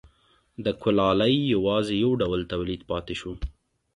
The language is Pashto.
د کولالۍ یوازې یو ډول تولید پاتې شو